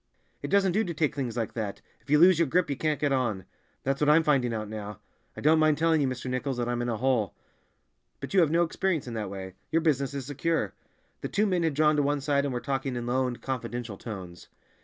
"It doesn't do to take things like that; if you lose your grip you can't get on." "That's what I'm finding out now. I don't mind telling you, Mr. Nichols, that I'm in a hole. But you have no experience in that way; your business is secure." The two men had drawn to one side and were talking in low and confidential tones.